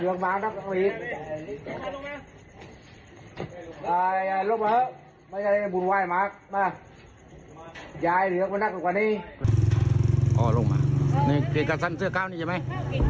โอ้โหลงมาจะกินการช่องเสื้อกาลได้ก่อนไหม